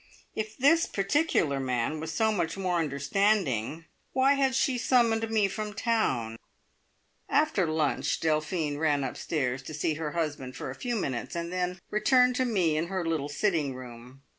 If this particular man was so much more understanding, why had she summoned me from town? After lurch Delphine ran upstairs to see her husband for a few minutes, and then returned to me in her little sitting room.